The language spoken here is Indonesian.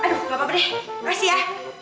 aduh gapapa deh makasih ya